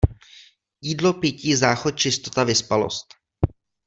Jídlo, pití, záchod, čistota, vyspalost.